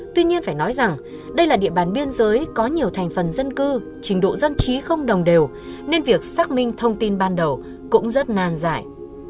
tuy nhiên phải nói rằng đây là địa bàn biên giới có nhiều thành phần dân cư trình độ dân trí không đồng đều nên việc xác minh thông tin ban đầu cũng rất nan giải